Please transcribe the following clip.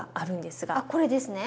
あっこれですね。